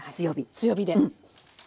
強火で。